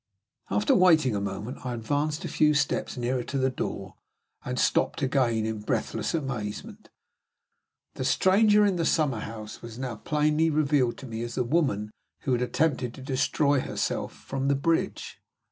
After waiting a moment, I advanced a few steps nearer to the door, and stopped again in breathless amazement. The stranger in the summer house was now plainly revealed to me as the woman who had attempted to destroy herself from the bridge!